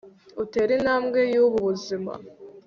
utere intambwe y'ubu buzima